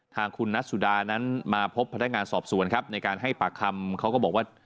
ทางคุณนัทสุดานั้นมาพบพนักงานสอบสวนครับในการให้ปากคำเขาก็บอกว่า